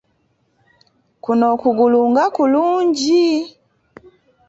Kuno okugulu nga kulungi!